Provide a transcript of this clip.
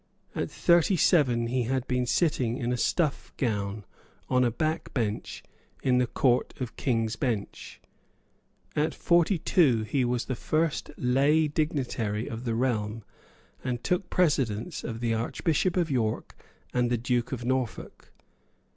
At thirty seven he had been sitting in a stuff gown on a back bench in the Court of King's Bench. At forty two he was the first lay dignitary of the realm, and took precedence of the Archbishop of York, and of the Duke of Norfolk.